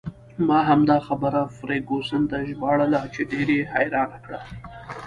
ما همدا خبره فرګوسن ته ژباړله چې ډېر یې حیرانه کړه.